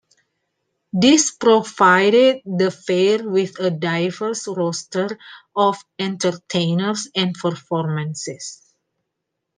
This provided the fair with a diverse roster of entertainers and performances.